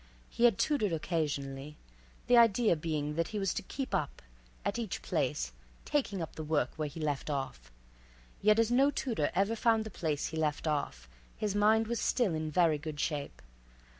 He had tutored occasionally—the idea being that he was to "keep up," at each place "taking up the work where he left off," yet as no tutor ever found the place he left off, his mind was still in very good shape.